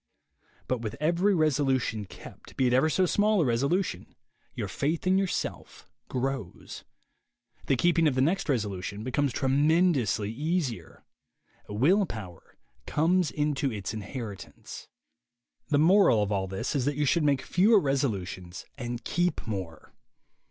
But with every resolution kept, be it never so small a resolution, your faith in your THE WAY TO WILL POWER 37 self grows. The keeping of the next resolution becomes tremendously easier. Will power comes into its inheritance. The moral of all this is that you should make fewer resolutions and keep more.